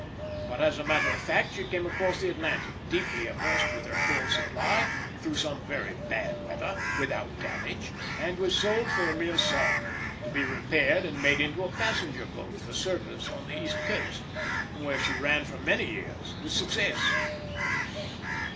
But as a matter of fact she came across the Atlantic, deeply immersed with her coal supply, through some very bad weather, without damage, and was sold for a mere song, to be repaired and made into a passenger boat for service on the East Coast, where she ran for many years with success.